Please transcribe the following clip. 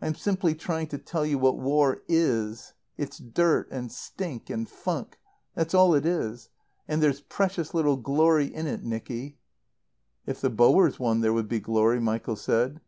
"I'm simply trying to tell you what war is. It's dirt and stink and funk. That's all it is. And there's precious little glory in it, Nicky." "If the Boers won there would be glory," Michael said.